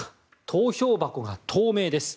投票箱が透明です。